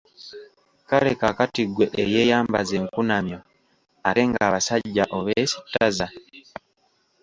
Kale kaakati ggwe eyeeyambaza enkunamyo, ate nga abasajja obeesittaza!